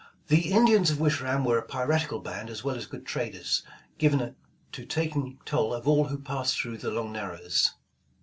The Indians of Wish ram were a piratical band as well as good traders, given to taking toll of all who passed through the Long Narrows.